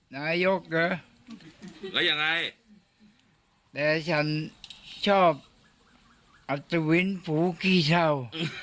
นายกเหรอแล้วยังไงแต่ฉันชอบอัศวินฝูขี้เช่า